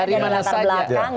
dari latar belakang